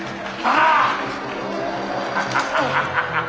ああ！